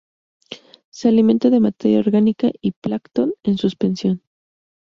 Se alimenta de materia orgánica y plancton en suspensión.